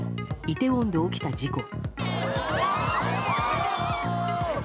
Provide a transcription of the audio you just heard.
イテウォンで起きた事故。